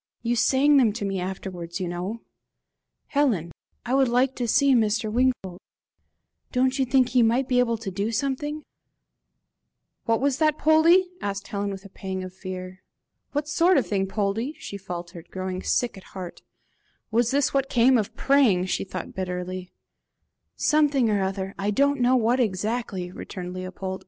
You sang them to me afterwards, you know. Helen, I should like to see Mr. Wingfold. Don't you think he might be able to do something?" "What sort of thing, Poldie?" she faltered, growing sick at heart. Was this what came of praying! she thought bitterly. "Something or other I don't know what exactly," returned Leopold.